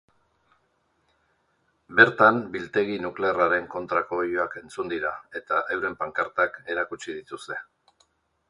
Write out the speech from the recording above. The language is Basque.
Bertan, biltegi nuklearraren kontrako oihuak entzun dira eta euren pankartak erakutsi dituzte.